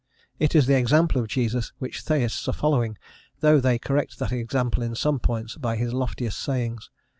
It is the example of Jesus which Theists are following, though they correct that example in some points by his loftiest sayings.